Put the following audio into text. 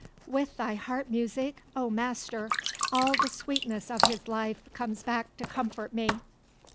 With thy heart music, O Master, all the sweetness of his life comes back to comfort me!"